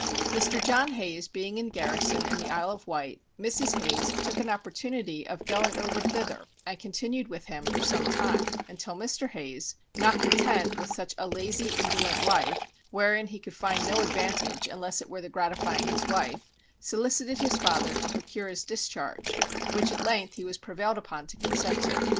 Mr. John Hayes being in garrison in the Isle of Wight, Mrs. Hayes took an opportunity of going over thither and continued with him for some time; until Mr. Hayes, not content with such a lazy indolent life (wherein he could find no advantage, unless it were the gratifying his wife) solicited his father to procure his discharge, which at length he was prevailed upon to consent to.